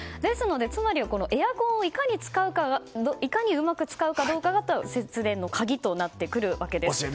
つまりエアコンをいかにうまく使うかが節電の鍵となってくるわけですね。